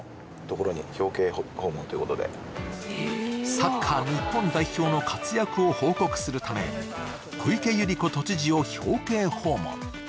サッカー日本代表の活躍を報告するため小池百合子都知事を表敬訪問。